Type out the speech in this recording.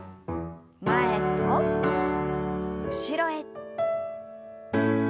前と後ろへ。